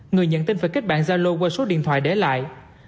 người nhận tin phải kết bạn gia lô qua số điện thoại để lại